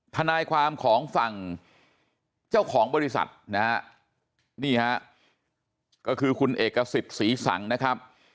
ทนายความของฝั่งเจ้าของบริษัทนะฮะนี่ฮะก็คือคุณเอกสิทธิ์ศรีสังนะครับ